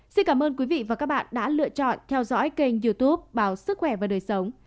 xin cảm ơn quý vị và các bạn đã lựa chọn theo dõi kênh youtube báo sức khỏe và đời sống